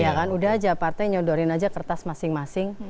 iya kan udah aja partai nyodorin aja kertas masing masing